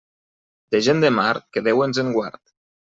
De gent de mar, que Déu ens en guard.